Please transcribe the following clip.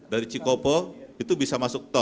dari cikopo itu bisa masuk tol